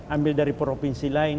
ambil dari provinsi lain